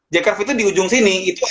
j curve itu di ujung sini itu aja ya